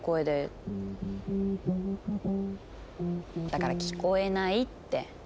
だから聞こえないって。